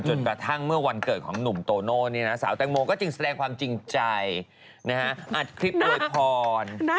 จนกระทั่งเมื่อวันเกิดของนุ่มโตโนก็จริงแนะคลิปโดยภอน